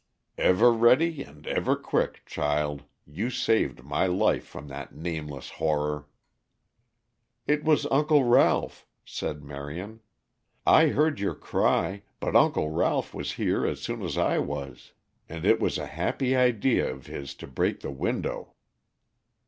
"Ever ready and ever quick, child, you saved my life from that nameless horror." "It was Uncle Ralph," said Marion. "I heard your cry, but Uncle Ralph was here as soon as I was. And it was a happy idea of his to break the window."